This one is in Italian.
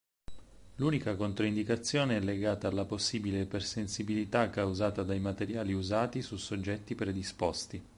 L'unica controindicazione è legata alla possibile ipersensibilità causata dai materiali usati su soggetti predisposti.